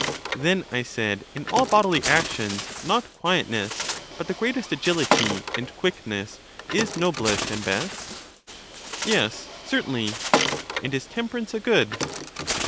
Then, I said, in all bodily actions, not quietness, but the greatest agility and quickness, is noblest and best? Yes, certainly. And is temperance a good?